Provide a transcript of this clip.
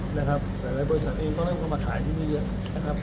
หลายบริษัทเองก็เริ่มเข้ามาขายที่นี่เยอะนะครับ